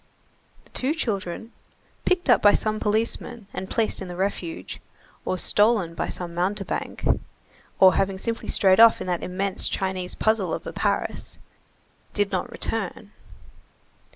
The two children, picked up by some policeman and placed in the refuge, or stolen by some mountebank, or having simply strayed off in that immense Chinese puzzle of a Paris, did not return.